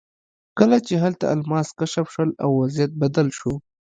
کله چې هلته الماس کشف شول وضعیت بدل شو.